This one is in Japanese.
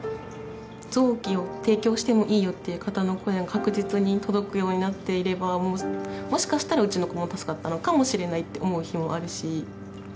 臓器を提供してもいいよという方の声が確実に届くようになっていればもしかしたらうちの子も助かったのかもしれないって思う日もあるし。